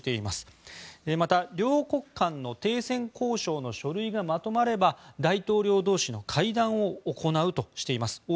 また、両国間の停戦交渉の書類がまとまれば大統領同士の会談を行うとしています。